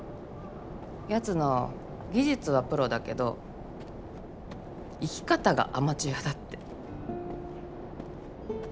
やつの技術はプロだけど生き方がアマチュアだって。